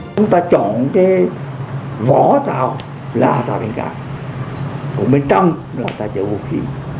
chúng ta chọn cái võ tàu là tàu bên cạnh của bên trong là tàu chở vũ khí